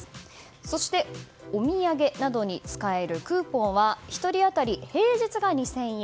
そして、お土産などに使えるクーポンは１人当たり平日が２０００円。